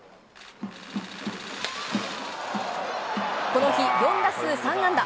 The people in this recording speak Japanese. この日、４打数３安打。